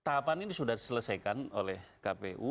tahapan ini sudah diselesaikan oleh kpu